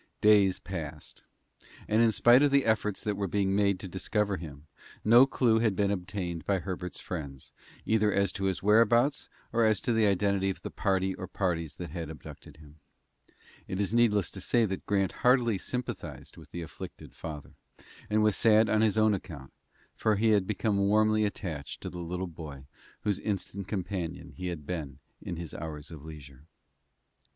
Days passed, and in spite of the efforts that were being made to discover him, no clew had been obtained by Herbert's friends, either as to his whereabouts, or as to the identity of the party or parties hat had abducted him. It is needless to say that Grant heartily sympathized with the afflicted father, and was sad on his own account, for he had become warmly attached to the little boy whose instant companion he had been in his hours of leisure.